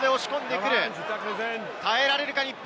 耐えられるか日本。